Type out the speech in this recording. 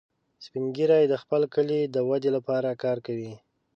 سپین ږیری د خپل کلي د ودې لپاره کار کوي